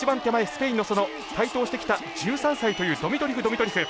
スペインの台頭してきた１３歳というドミトリフドミトリフ。